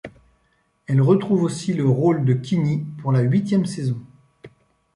Elle retrouve aussi le rôle de Queenie pour la huitième saison.